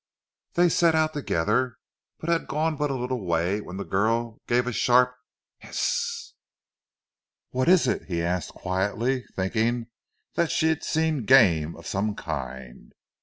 They set out together, but had gone but a little way when the girl gave a sharp "Hist!" "What is it?" he asked quietly, thinking that she had seen game of some kind.